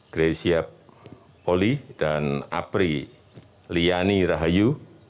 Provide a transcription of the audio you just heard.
grecia oli dan apri liani rahayu